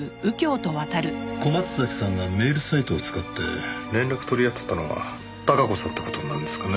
小松崎さんがメールサイトを使って連絡取り合ってたのは貴子さんって事になるんですかね？